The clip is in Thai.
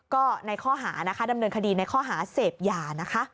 ก็ในข้อหานะคะดำเนินคดีในข้อหาเสพยานะคะ